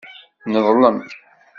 Neḍlem.